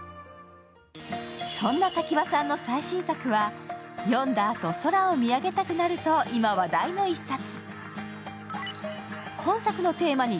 そんな瀧羽さんの最新作は、読んだあと、空を見上げたくなると今、話題の一冊。